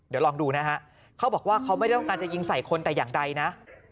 เดี๋ยวลองดูนะฮะเขาบอกว่าเขาไม่ได้ต้องการจะยิงใส่คนแต่อย่างใดนะ